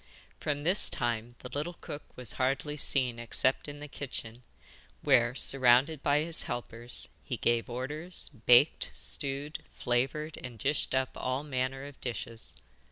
From this time the little cook was hardly seen except in the kitchen, where, surrounded by his helpers, he gave orders, baked, stewed, flavoured and dished up all manner of dishes.